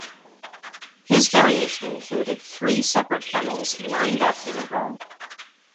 His variation included three separate funnels lined up in a row.